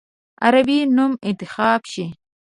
عربي نوم انتخاب شي.